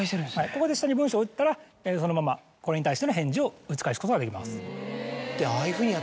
ここで下に文章を打ったらそのままこれに対しての返事を打ち返すことができます。